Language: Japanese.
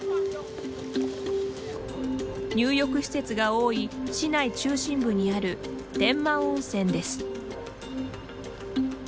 入浴施設が多い市内中心部にある天満温泉です。